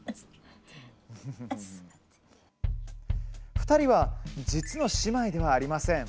２人は、実の姉妹ではありません。